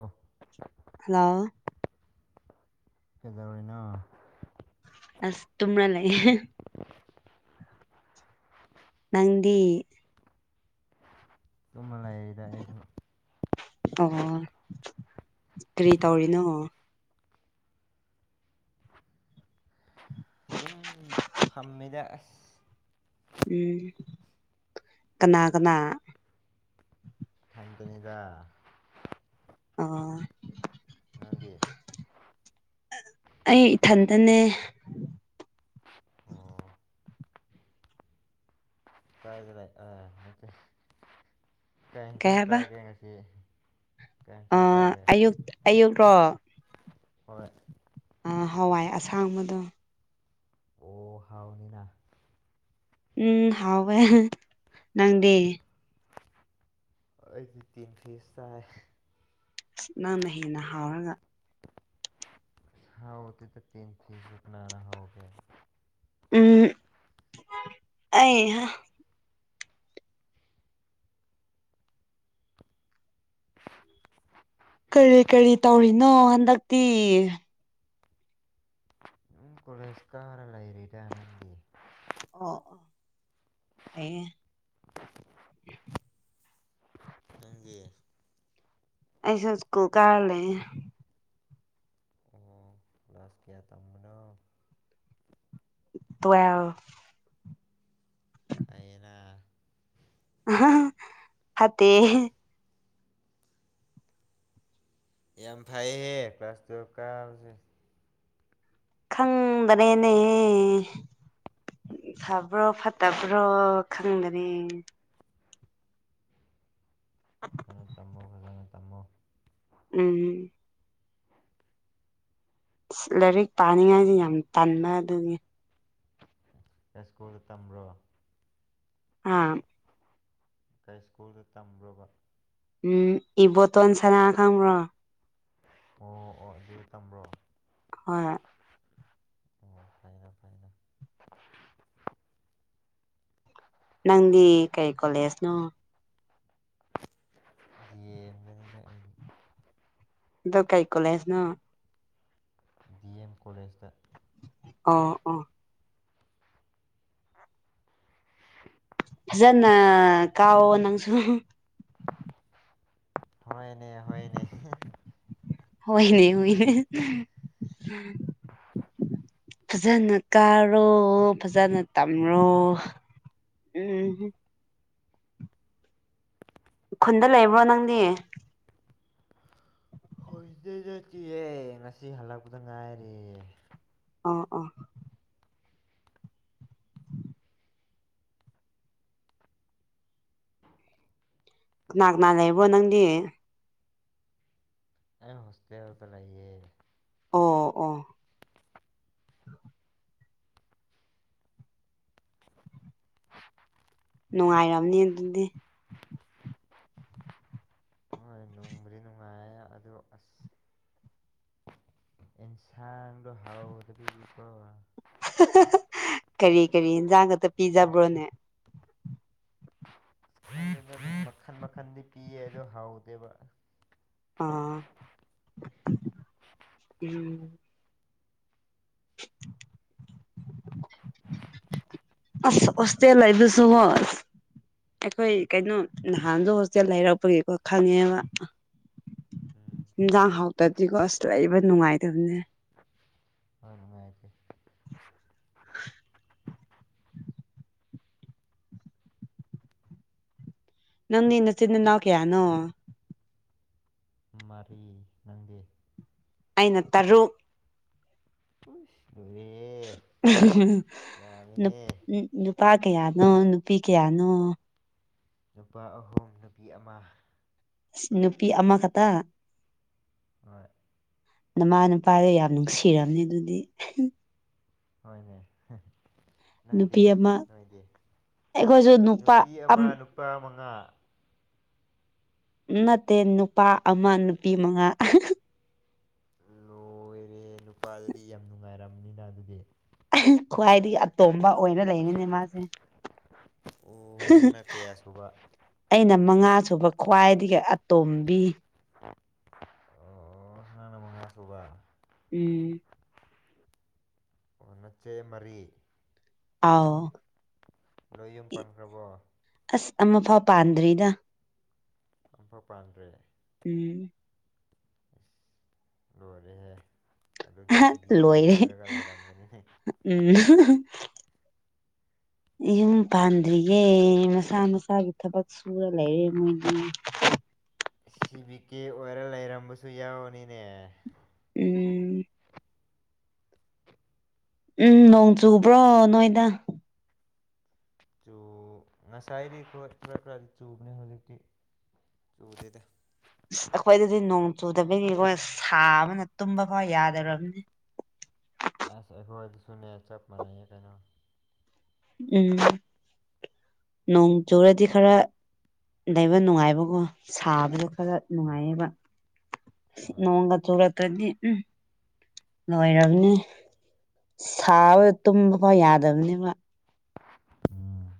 ꯑ ꯍꯜꯂꯣ ꯐꯖꯧꯔꯤꯅꯣ ꯑꯁ ꯇꯨ꯭ꯔ ꯂꯩ ꯅꯪꯗꯤ ꯑꯗꯨꯨꯝꯃ ꯂꯩꯔꯤꯗ ꯑꯩꯁꯨ ꯑꯣ ꯀꯔꯤ ꯇꯧꯔꯤꯅꯣ ꯑꯗꯨꯝ ꯐꯝꯃꯤꯗ ꯑꯁ ꯎꯝ ꯀꯅꯥ ꯀꯅꯥ ꯇꯅꯤꯗ ꯑ ꯑꯩ ꯏꯊꯟꯇꯅꯦ ꯑꯣ ꯀꯥꯏꯗ ꯂꯩ ꯑꯥ ꯀꯩ ꯀꯩꯝꯇꯪ ꯍꯥꯏꯕ ꯆꯥꯒꯦ ꯉꯁꯤ ꯀꯩ ꯑ ꯌꯦꯟꯁꯥꯡ ꯆꯥꯒꯦ ꯑꯌꯨꯛ ꯑꯌꯨꯛ ꯔꯣ ꯍꯣꯏ ꯍꯋꯥꯏ ꯑꯁꯥꯡꯕꯗꯣ ꯑꯣ ꯍꯥꯎꯅꯤꯅ ꯎꯝ ꯍꯥꯎꯦ ꯅꯪꯗꯦ ꯑꯩꯗꯤ ꯇꯤꯟ ꯐꯤ ꯆꯔꯦ ꯑꯁ ꯅꯪꯅ ꯍꯦꯟꯅ ꯍꯥꯎꯔꯒ ꯍꯥꯎꯗꯤꯗ ꯇ ꯐꯤꯁꯔꯛꯅꯔꯥꯒ ꯎꯝ ꯑꯩ ꯅꯣ ꯍꯟꯗꯛꯇꯤ꯫ ꯎ ꯀꯂꯁꯀꯥꯔ ꯂꯩ ꯂꯩꯔꯤꯗꯅꯗꯤ ꯑꯣ ꯑꯣ ꯐꯩꯌꯦ ꯅꯪꯒꯤꯦ ꯑꯩꯁꯨ ꯁꯀꯨꯜ ꯀꯥꯔꯂꯦ ꯑꯣ ꯂꯥꯁꯀꯤꯌꯥ ꯇꯃꯅ ꯇꯋ ꯑꯥꯏꯩꯅ ꯑ ꯐꯠꯇꯦ ꯌꯥꯝ ꯐꯩꯍꯦ ꯀ꯭ꯂꯥꯁ ꯇꯨꯌꯦꯜꯐ ꯀꯥꯕꯁꯦ ꯈꯪꯗꯅꯦꯅꯦ ꯎ ꯐꯕ꯭ꯔꯣ ꯐꯠꯇꯕ꯭ꯔꯣ ꯈꯪꯗꯅꯤ ꯐꯖꯅ ꯇꯝꯃꯣ ꯐꯖꯅ ꯇꯝꯃꯣ ꯎꯝꯝ ꯂꯥꯏꯔꯤꯛ ꯄꯥꯅꯤꯡꯉꯥꯏꯁꯦ ꯌꯥꯝ ꯇꯟꯕ ꯑꯗꯨꯅꯤ ꯌꯥꯁꯀꯣꯜ ꯇꯝꯕ꯭ꯔꯣ ꯑꯥ ꯀꯩ ꯁ꯭ꯀꯨꯜꯗ ꯇꯝꯕ꯭ꯔꯣꯕ ꯎꯝ ꯏ ꯇꯣꯟ ꯁꯅꯥ ꯈꯝ꯭ꯔꯣ ꯑꯣ ꯑꯣ ꯑꯗꯨꯗꯤ ꯇꯝꯕ꯭ꯔꯣ ꯍꯣꯏ ꯑꯣ ꯐꯥꯏꯅ ꯐꯥꯏꯅ ꯅꯪꯗꯤ ꯀꯩ ꯀꯣꯂꯦꯖꯅꯣ ꯌꯦ ꯀꯥꯏ ꯀꯣꯂꯦꯁꯅ ꯗꯤ ꯑꯦꯝ ꯀꯣꯂꯦꯖꯇ ꯑ ꯑ ꯐꯖꯅ ꯀꯥꯎꯑꯣꯣ ꯅꯪꯁꯨ ꯍꯅꯦ ꯍꯅꯦ ꯍꯣꯏꯅꯦ ꯑꯣꯏꯣꯏꯅꯦ ꯐꯖꯅ ꯀꯥꯔꯣ ꯐꯖꯅ ꯇꯝꯔꯣ ꯎꯝ ꯈꯨꯟꯗ ꯂꯩꯕ꯭ꯔꯣ ꯅꯪꯗꯤ ꯍꯣꯏꯗ ꯆꯠꯠꯇꯍꯦ ꯉꯁꯤ ꯍꯜꯂꯛꯄꯗ ꯉꯥꯏꯔꯤ ꯑꯥ ꯑꯥ ꯀꯅꯥ ꯀꯅꯥ ꯂꯩꯕꯣ ꯅꯪꯗꯤ ꯑ ꯍꯣꯁꯇꯦꯜꯦꯜꯗ ꯂꯩꯌꯦ ꯑꯣ ꯑꯣ ꯅꯨꯡꯉꯥꯏꯔꯝꯅꯤ ꯑꯗꯨꯗꯤ ꯍꯣꯏ ꯅꯨꯡꯕꯨꯗꯤ ꯅꯨꯡꯉꯥꯏ ꯑꯗꯨ ꯑꯁ ꯏꯟꯁꯥꯡꯗ ꯍꯥꯎꯗꯤꯀ ꯀꯔꯤ ꯀꯔꯤ ꯌꯦꯟꯖꯥꯡ ꯈꯛꯇ ꯄꯤꯖꯕ꯭ꯔꯣꯅꯦ ꯃꯈꯟ ꯃꯈꯟꯗꯤ ꯄꯤꯌꯦ ꯑꯗꯣ ꯍꯥꯎꯗꯦꯕ ꯑꯥ ꯎꯝ ꯁꯁꯇꯦ ꯂꯩꯗꯨ ꯁ ꯍꯁ ꯑꯩꯈꯣꯏ ꯀꯩꯅꯣ ꯅꯍꯥꯟꯗ ꯍꯣꯁꯇꯦꯜ ꯂꯩꯔꯛꯄꯒꯤꯀꯣ ꯈꯪꯉꯦꯕ ꯎꯝ ꯌꯦꯟꯖꯥꯡ ꯍꯥꯎꯇꯗꯤꯀꯣ ꯑꯁ ꯂ ꯂꯩꯕ ꯅꯨꯡꯉꯥꯏꯇꯕꯅꯦ ꯍꯅ ꯃꯗꯤ [unintelligible] ꯅꯪꯅꯤꯅ ꯆꯤꯟꯅ ꯅꯅꯥꯎ ꯀꯦꯌꯥꯅꯣ ꯃꯔꯤ ꯅꯪꯗꯦ ꯑꯩꯅ ꯇꯔꯨꯛ ꯍ ꯅꯨ ꯌꯥꯝꯃꯤꯍꯦ ꯅꯨꯄꯥ ꯀ ꯌꯥꯗ ꯅ ꯅꯨꯄꯤ ꯀꯌꯥꯅꯣ ꯅꯨꯄꯥ ꯑꯍꯨꯝ ꯅꯨꯄꯤ ꯑꯃ ꯅꯨꯄꯤ ꯑꯃ ꯈꯛꯇ ꯍꯣꯏ ꯅꯃꯥ ꯅꯨꯄꯥꯗꯣ ꯌꯥꯝ ꯅꯨꯡꯁꯤꯔꯝꯅꯤ ꯑꯗꯨꯗꯤ ꯍꯣꯏꯅꯦ ꯅꯨꯄꯤ ꯪꯗꯦ ꯑꯃ ꯅꯨꯡꯉꯥꯏꯗꯦ ꯑꯩꯈꯣꯏꯁꯨ ꯅꯨꯄꯥ ꯅꯨꯄꯤ ꯑꯃ ꯅꯨꯄꯥ ꯑꯃ ꯀꯥ ꯅꯠꯇꯦ ꯅꯨꯄꯥ ꯑꯃ ꯅꯨꯄꯤ ꯃꯉꯥ ꯂꯣꯏꯔꯦ ꯅꯨꯄꯥꯗꯗꯤ ꯌꯥꯝ ꯅꯨꯡꯉꯥꯏꯔꯝꯅꯤꯅ ꯑꯗꯨꯗꯤ ꯈ꯭ꯋꯥꯏꯗꯒꯤ ꯑꯇꯣꯝꯕ ꯑꯣꯏꯅ ꯂꯩꯅꯤꯅꯦ ꯃꯥꯁꯦ ꯑꯣ ꯅꯪꯅ ꯀꯌꯥ ꯁꯨꯕ ꯑꯩꯅ ꯃꯉꯥꯁꯨꯨꯕ ꯈ꯭ꯋꯥꯏꯗꯒꯤ ꯑꯇꯣꯝꯕꯤ ꯑꯣ ꯑꯗꯨꯒꯕ ꯎꯝ ꯑꯣꯅꯆꯦ ꯃꯔꯤ ꯑꯥꯎ ꯅꯣꯏ ꯌꯨꯝ ꯄꯟꯈ꯭ꯔꯕꯣ ꯑꯁ ꯑꯃꯐꯥꯎ ꯄꯥꯟꯗ꯭ꯔꯤꯗ ꯑꯃꯐ ꯄ꯭ꯔꯥꯟꯗ ꯎꯝ ꯂꯔꯦꯁꯦ ꯂꯣꯏꯔꯦ ꯂꯩꯔꯝꯒꯅꯤꯅꯦ ꯎꯝ ꯌꯨꯝ ꯄꯥꯟꯗ꯭ꯔꯤꯌꯦꯦ ꯃꯁꯥ ꯃꯁꯥꯒꯤ ꯊꯕꯛ ꯁꯨꯔ ꯂꯩꯔꯦ ꯃꯣꯏꯒꯤ ꯁꯤ ꯕꯤ ꯀꯦ ꯑꯣꯏꯔ ꯂꯩꯔꯝꯕꯁꯨ ꯌꯥꯎꯅꯤꯅꯦ ꯎꯝ ꯎꯝ ꯅꯣꯡ ꯆꯨꯕ꯭ꯔꯣ ꯅꯣꯏꯗ ꯉꯁꯥꯏꯔꯤ ꯈ ꯈꯗꯤ ꯆꯨꯕꯅꯦ ꯍꯧꯖꯤꯛꯇꯤ ꯆꯨꯗꯦꯗ ꯑꯈꯣꯏꯏꯗ ꯑꯗꯨꯗꯤ ꯅꯣꯡ ꯆꯨꯗꯕꯒꯤ ꯑꯩꯈꯣꯏꯅ ꯁꯥ ꯑꯃꯅ ꯇꯨꯝꯕ ꯐꯥꯎ ꯌꯥꯗꯔꯕꯅꯤ ꯑꯁ ꯑꯩꯈꯣꯏꯗꯤꯁꯨꯅꯦ ꯆꯄꯅꯦ ꯀꯩꯅꯣ ꯎꯝ ꯅꯣꯡ ꯆꯔꯗꯤ ꯈꯔ ꯗꯩꯕ ꯅꯨꯡꯉꯥꯏꯕꯒꯨꯝ ꯁꯥꯕꯗꯣ ꯈꯔ ꯍꯣꯏ ꯅꯨꯡꯉꯥꯏꯌꯦꯕ ꯍꯣꯏ ꯅꯣꯡꯒ ꯆꯨꯔꯛꯇ꯭ꯔꯗꯤ ꯎꯝ ꯂꯣꯏꯔꯕꯅꯦ ꯁꯥꯕ ꯇꯨꯝꯕꯀꯣ ꯌꯥꯗꯕꯅꯦꯕ ꯎꯝ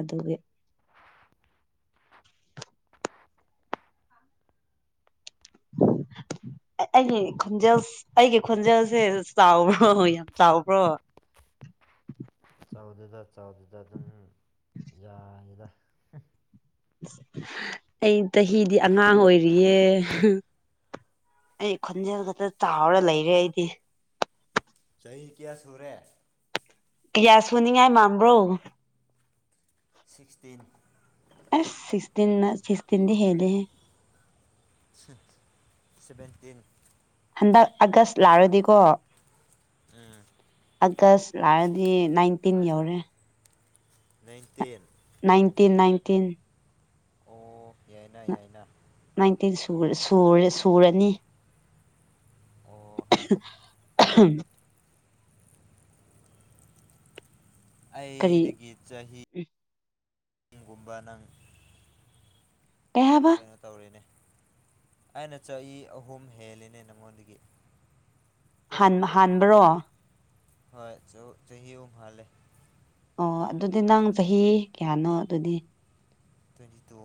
ꯑꯗꯨꯒꯤ [unintelligible] ꯑꯩꯒꯤ ꯈꯣꯟꯖꯦꯜ ꯑꯩꯒꯤ ꯈꯣꯟꯖꯦꯜꯁꯦ ꯆꯥꯎꯕ꯭ꯔꯣ ꯌꯥꯝ ꯆꯥꯎꯕ꯭ꯔꯣ ꯆꯥꯎꯗꯨꯗ ꯆꯥꯎꯗꯨꯗ ꯑꯗꯨꯝ ꯌꯥꯏꯗ ꯑꯩ ꯆꯍꯤꯗꯤ ꯑꯉꯥꯡ ꯑꯣꯏꯔꯤꯌꯦ ꯑꯩ ꯈꯣꯟꯖꯦꯜ ꯈꯛꯇ ꯆꯥꯎꯔ ꯂꯩꯔꯦ ꯑꯩꯗꯤ ꯆꯍꯤ ꯀꯌꯥ ꯁꯨꯔꯦ ꯄꯤꯌꯥ ꯁꯨꯅꯤꯡꯉꯥꯏ ꯃꯕ꯭ꯔꯣ ꯁꯤꯛꯁꯇꯤꯟ ꯑꯁ ꯁꯤꯛꯁꯤꯟ ꯁꯤꯛꯁ ꯇꯤꯟꯗꯤ ꯍꯦꯜꯗꯦꯦ ꯁꯚꯦꯟꯇꯤꯟ ꯍꯟꯗꯛ ꯑꯥꯒꯁ ꯂꯥꯛꯔꯗꯤꯀꯣ ꯎꯝ ꯑꯥꯒꯁ ꯂꯥꯛꯔꯗꯤ ꯅꯥꯏꯟꯇꯤꯟ ꯌꯧꯔꯦ ꯅꯥꯟꯇꯤꯟ ꯅꯥꯏꯟꯇꯤꯟ ꯅꯥꯏꯟꯇꯤꯟ ꯑꯣ ꯌꯥꯏꯅ ꯌꯥꯏꯅ ꯅꯥꯏꯟꯇꯤꯟ ꯁꯨꯔꯅꯤ ꯑꯣ ꯎ ꯀꯔꯤ ꯑꯩꯗꯒꯤ ꯆꯍꯤꯒꯨꯝꯕ ꯅꯪ ꯀꯩ ꯍꯥꯏꯕ ꯀꯩꯅꯣ ꯇꯧꯔꯤꯅꯦ ꯑꯩꯅ ꯆꯍꯤ ꯑꯍꯨꯝ ꯍꯦꯜꯂꯤꯅꯦ ꯅꯪꯉꯣꯟꯗꯒꯤ ꯍꯥꯟꯕ꯭ꯔꯣ ꯍꯣꯏ ꯆ ꯆꯍꯤ ꯎꯍꯂꯦ ꯑꯣ ꯑꯗꯨꯗꯤ ꯅꯪ ꯆꯍꯤ ꯀꯌꯥꯅꯣ ꯑꯗꯨꯗꯤ ꯇ꯭ꯋꯦꯟꯇꯤ ꯇꯨ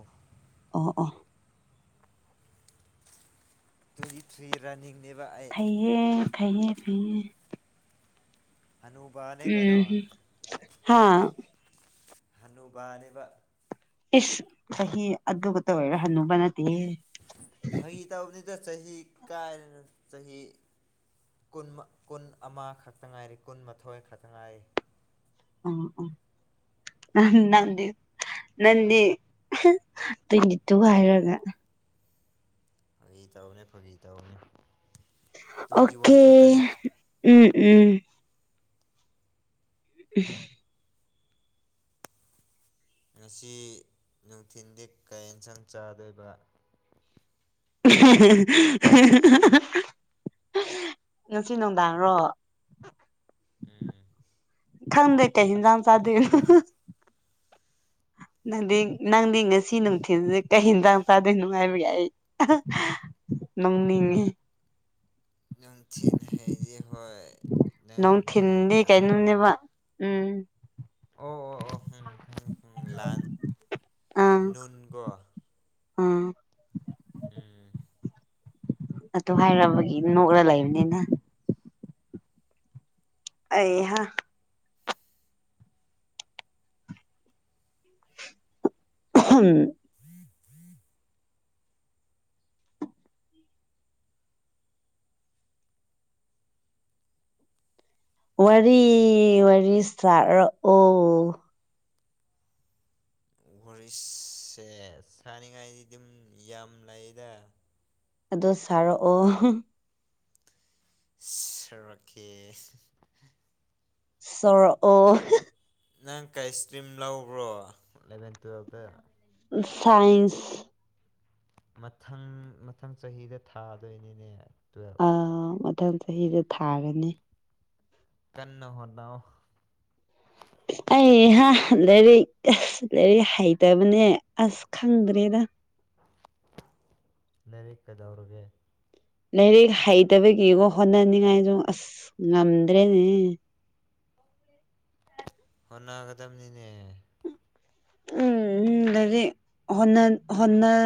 ꯑꯣ ꯑ ꯇ꯭ꯋꯦꯟꯇꯤ ꯊ꯭ꯔꯤ ꯔꯥꯅꯤꯡꯅꯦꯕ ꯑꯩ ꯈꯥꯏꯌꯦꯦ ꯄꯤꯦ ꯑꯅꯨꯕꯅꯦ ꯀꯩꯅꯣ ꯍꯥ ꯍꯅꯨ ꯄꯅꯦꯕ ꯏꯁ ꯆꯍꯤ ꯑꯗꯨꯛꯇ ꯑꯣꯏꯔ ꯍꯟꯅꯨꯕ ꯅꯠꯇꯦ ꯗ ꯆꯍꯤ ꯀꯥꯏ ꯆꯍꯤ ꯀꯨꯟ ꯑꯃ ꯈꯛꯇ ꯉꯥꯏꯔꯤ ꯀꯨꯟꯃꯥꯊꯣꯏ ꯈꯛꯇ ꯉꯥꯏꯔꯤ ꯑ ꯅ ꯅꯪꯗꯤ ꯇ꯭ꯋꯦꯟꯇꯤ ꯇꯨ ꯍꯥꯏꯔꯒ ꯍꯧꯖꯤ ꯇꯧꯅꯦ ꯐꯖꯤ ꯇꯧꯅꯦ ꯑꯣꯀꯦ ꯎꯝ ꯎꯝ ꯎ ꯉꯁꯤ ꯅꯨꯡꯊꯤꯟꯜꯗꯤ ꯀꯌꯥ ꯌꯦꯟꯁꯥꯡ ꯆꯥꯗꯣꯏꯕ [unintelligible] ꯉꯁꯤ ꯅꯨꯡꯗꯥꯡꯔꯣ ꯎꯝ ꯈꯪꯗꯦ ꯀꯦ ꯏꯟꯖꯥꯡ ꯆꯗꯅ [unintelligible] ꯅꯪꯗꯤ ꯅꯪꯗꯤ ꯉꯁꯤ ꯅꯨꯡꯊꯤꯟꯜꯁꯦ ꯀꯩ ꯍꯟꯗꯥꯡ ꯆꯥꯗꯣꯏꯅꯣꯉꯥꯏꯕꯒꯦ ꯑꯩ ꯅꯪꯅꯤꯡꯉꯤ ꯅꯨꯡꯊꯤꯅ ꯍꯥꯏꯩꯗꯤ ꯍꯣꯏ ꯅꯪꯁꯨ ꯅꯨꯡꯊꯤꯟꯗꯤ ꯒ꯭ꯌꯥꯟꯇ ꯑꯔꯝ ꯀꯩꯅꯣꯅꯦꯕ ꯎꯝ ꯑꯣ ꯑꯣ ꯑꯣꯪꯉ ꯂꯥꯟ ꯑꯥ ꯅꯟꯒꯣ ꯑꯥ ꯎꯝ ꯑꯗꯨ ꯍꯥꯏꯔꯕꯒꯤ ꯅꯣꯛꯂ ꯂꯩꯕꯅꯤꯅ ꯑꯩꯍꯥ ꯍꯪ ꯋꯥꯔꯤ ꯋꯥꯔꯤ ꯁꯥꯔꯛꯑꯣ ꯒꯨꯔꯤꯁꯁꯦ ꯁꯥꯅꯤꯡꯉꯥꯏꯗꯤ ꯑꯗꯨꯝ ꯌꯥꯝ ꯂꯩꯗ ꯑꯗꯣ ꯁꯥꯔꯛꯑꯣ ꯔꯀꯦ ꯁꯣꯔꯣ ꯑꯣ ꯅꯪ ꯀꯥꯏꯁ ꯀ꯭ꯔꯤꯝ ꯂꯧꯕ꯭ꯔꯣ ꯑꯦꯂꯚꯦꯟ ꯇꯨꯋꯦꯜꯕꯇ ꯁꯥꯏꯟꯁ ꯃꯊꯪ ꯃꯊꯪ ꯆꯍꯤꯗ ꯊꯥꯗꯣꯏꯅꯤꯅꯦ ꯇꯨꯌꯦꯜꯕ ꯑ ꯃꯊꯪ ꯆꯍꯤꯗ ꯊꯥꯔꯅꯤ ꯀꯟꯅ ꯍꯣꯗ ꯑꯣ ꯑꯩꯍ ꯂꯩꯦꯔꯤꯛ ꯂꯩꯦꯔꯤꯛ ꯍꯥꯏꯩ ꯇꯔ ꯃꯅꯤꯅꯦ ꯑꯁ ꯈꯪꯗ꯭ꯔꯦꯗ ꯅꯔꯤ ꯀꯗꯧꯔꯒꯦ ꯂꯥꯏꯔꯤꯛ ꯍꯩꯇꯕꯒꯤꯒꯣ ꯍꯣꯠꯅꯅꯤꯡꯉꯥꯏꯁꯨ ꯑꯁ ꯉꯝꯗ꯭ꯔꯦꯅꯦ ꯍꯣꯠꯅꯒꯗꯕꯅꯤꯅꯦ [unintelligible] ꯎꯝ ꯂꯩꯗꯤ ꯍꯟꯅ ꯍꯟꯅꯜ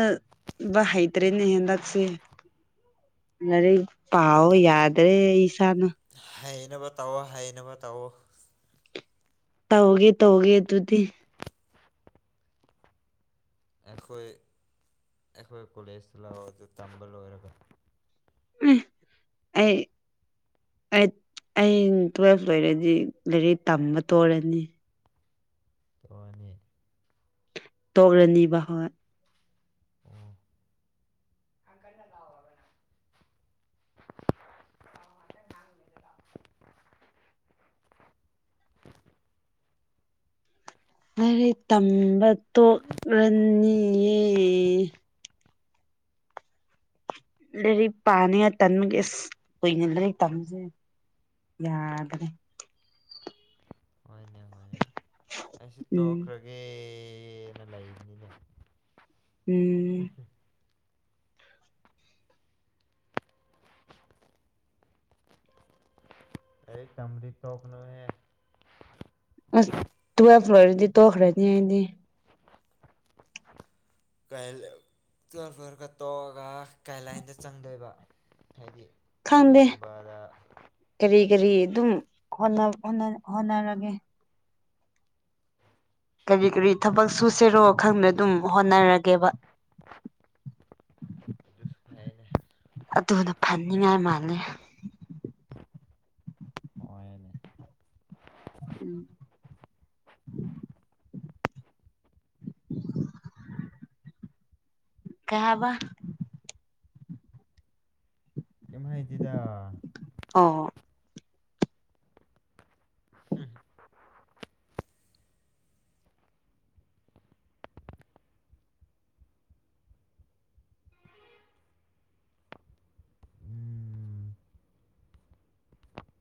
ꯍꯩꯗ꯭ꯔꯦꯅꯦꯍꯦꯟꯗꯁꯦ ꯑꯔꯤꯦ ꯄꯥꯎ ꯌꯥꯗ꯭ꯔꯦ ꯏꯁꯥꯅ ꯍꯩꯅ ꯇꯧꯑꯣꯣ ꯍꯩꯅꯕ ꯇꯧꯑꯣ ꯇꯧꯒꯦ ꯇꯧꯒꯦ ꯇꯗꯤ ꯑꯩꯈꯣꯏ ꯑꯩꯈꯣꯏ ꯀꯣꯂꯦꯖꯇ ꯂꯥꯛꯑꯣ ꯑꯗꯨ ꯇꯝꯕ ꯂꯣꯏꯔꯒ ꯎ ꯑꯩ ꯑꯩꯠ ꯑꯩ ꯇꯨꯋꯦꯜꯐ ꯂꯣꯏꯔꯗꯤ ꯂꯥꯏꯔꯤꯛ ꯇꯝꯕ ꯇꯔꯅꯤ ꯇꯣꯑꯅꯤ ꯇꯣꯛꯔꯅꯤꯕ ꯍꯣꯏ [unintelligible] [unintelligible] ꯂꯥꯏꯔꯤꯛ ꯇꯝꯕ ꯇꯔꯅꯤꯌꯦ ꯂꯩꯔꯤ ꯄꯥꯅꯤ ꯇꯟꯃꯒꯦ ꯑꯁ ꯀꯨꯏꯅ ꯂꯔꯤ ꯇꯝꯁꯦ ꯌꯥꯗꯅ ꯑꯩꯁꯤ ꯎꯝ ꯇꯣꯛꯈ꯭ꯔꯒꯦ ꯎꯝ ꯑꯩ ꯆꯔꯤ ꯑ ꯇꯨꯋꯦꯜ ꯐ꯭ꯂꯔꯗꯤ ꯇꯣꯈꯔꯗꯤꯗꯤ [unintelligible] ꯐꯔꯦ ꯐꯔꯦ ꯇꯣꯛꯑꯒ ꯒꯥꯏꯗꯂꯥꯏꯟꯗ ꯆꯪꯗꯣꯏꯕ ꯍꯥꯏꯗꯤ ꯈꯪꯗꯦ ꯀꯔꯤꯒꯨꯝꯕꯗ ꯀꯔꯤ ꯀꯔꯤ ꯑꯗꯨꯝ ꯍꯣꯠꯅꯔꯒꯦ ꯀꯔꯤ ꯀꯔꯤ ꯊꯕꯛ ꯁꯨꯁꯤꯔꯣ ꯈꯪꯗ ꯑꯗꯨꯝ ꯍꯣꯠꯅꯔꯒꯦꯕ [unintelligible] ꯍꯥꯏꯅꯦ ꯑꯗꯨꯅ ꯐꯅꯤꯡꯉꯥꯏ ꯃꯥꯜꯂꯦ ꯍꯣꯏꯅꯦ ꯎꯝ ꯀꯩ ꯍꯥꯏꯕ ꯀꯩꯝ ꯍꯥꯏꯗꯦꯗ ꯑꯣ [unintelligible]